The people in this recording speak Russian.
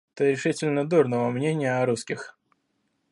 Ты решительно дурного мнения о русских.